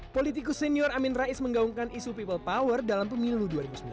politikus senior amin rais menggaungkan isu people power dalam pemilu dua ribu sembilan belas